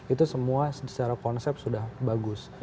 itu semua secara konsep sudah bagus